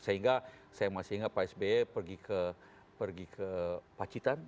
sehingga saya masih ingat pak sby pergi ke pacitan